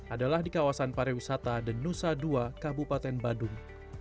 adalah di kawasan pariwisata denusa ii kabupaten badung